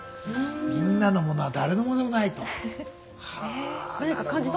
「みんなのものは誰のものでもない」と。はなるほどな。